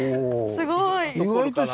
すごい。